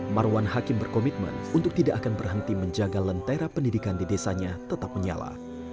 marwan hakim berkomitmen untuk tidak akan berhenti menjaga lentera pendidikan di desanya tetap menyala